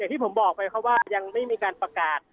อย่างที่ผมบอกไปก็ว่ายังไม่มีการประกาศ